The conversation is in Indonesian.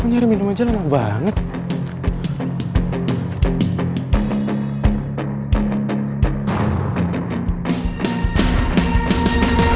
mencari minuman aja lama banget